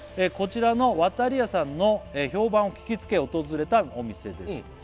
「こちらのわたりやさんの評判を聞きつけ訪れたお店です」